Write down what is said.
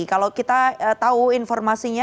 kalau kita tahu informasinya